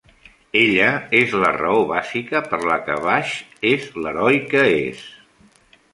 Ella és la raó bàsica per la que Vash és l"heroi que és.